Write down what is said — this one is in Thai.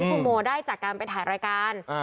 คุณโมได้จากการไปถ่ายรายการ